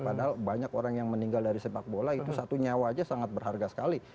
padahal banyak orang yang meninggal dari sepak bola itu satu nyawa aja sangat berharga sekali